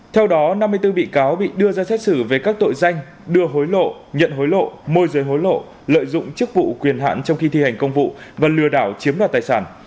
theo đó năm mươi bốn bị cáo bị đưa ra xét xử về các tội danh đưa hối lộ nhận hối lộ môi giới hối lộ lợi dụng chức vụ quyền hạn trong khi thi hành công vụ và lừa đảo chiếm đoạt tài sản